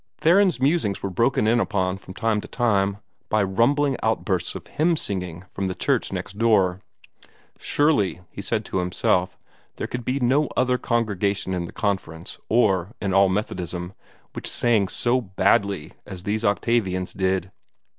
Theron's musings were broken in upon from time to time by rumbling outbursts of hymn singing from the church next door. Surely, he said to himself, there could be no other congregation in the Conference, or in all Methodism, which sang so badly as these Octavians did.